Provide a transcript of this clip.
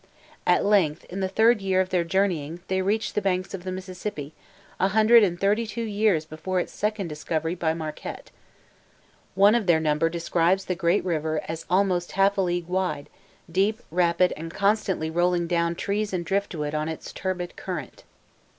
At length, in the third year of their journeying, they reached the banks of the Mississippi, a hundred and thirty two years before its second discovery by Marquette. One of their number describes the great river as almost half a league wide, deep, rapid, and constantly rolling down trees and drift wood on its turbid current.